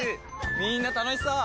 みんな楽しそう！